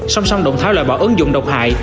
song song động thái loại bỏ ứng dụng độc hại